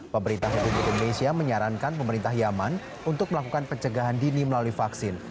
pemerintah republik indonesia menyarankan pemerintah yaman untuk melakukan pencegahan dini melalui vaksin